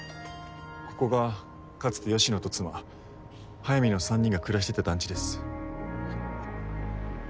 ここがかつて芳野と妻速水の３人が暮らしていた団地です。